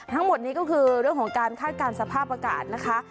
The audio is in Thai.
ทั้งหมดนี้ก็คือเรื่องของการคาดการณ์สภาพอากาศนะคะ